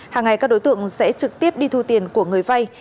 hàng ngày các đối tượng sẽ trực tiếp đi thu tiền của người vay